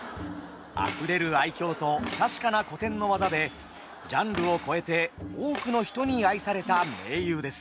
あふれる愛嬌と確かな古典の技でジャンルを超えて多くの人に愛された名優です。